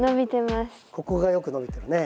ここがよく伸びてるね。